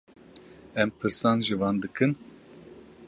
Em pirsan ji wan dikin.